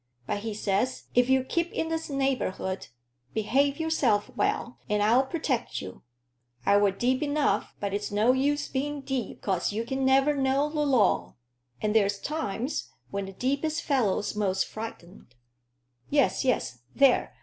But he says, if you keep i' this neighborhood, behave yourself well, and I'll pertect you. I were deep enough, but it's no use being deep, 'cause you can never know the law. And there's times when the deepest fellow's most frightened." "Yes, yes. There!